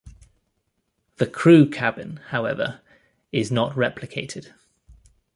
The crew cabin, however, is not replicated.